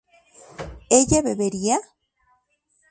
¿ella bebería?